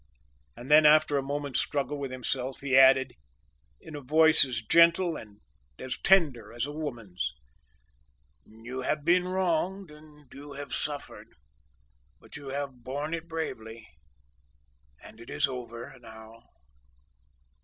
And then, after a moment's struggle with himself, he added, in a voice as gentle and as tender as a woman's, "You have been wronged and you have suffered, but you have borne it bravely, and it is over now."